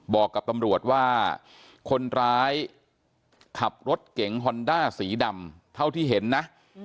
บอกกับตำรวจว่าคนร้ายขับรถเก๋งฮอนด้าสีดำเท่าที่เห็นนะ